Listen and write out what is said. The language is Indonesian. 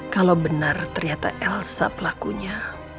kalau benar ternyata elsa pelakunya